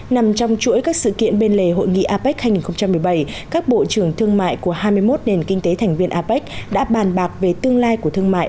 nằm trong chuỗi các sự kiện bên lề hội nghị apec hai nghìn một mươi bảy các bộ trưởng thương mại của hai mươi một nền kinh tế thành viên apec đã bàn bạc về tương lai của thương mại